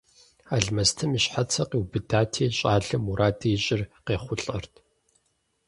Алмэстым и щхьэцыр къиубыдати, щӀалэм мураду ищӀыр къехъулӀэрт.